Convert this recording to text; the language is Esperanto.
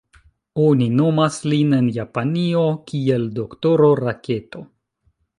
Oni nomas lin en Japanio kiel "D-ro Raketo".